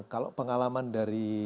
kalau pengalaman dari